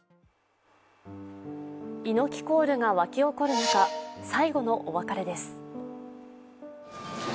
猪木コールが湧き起こる中、最後のお別れです。